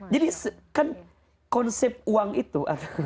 kan konsep uang itu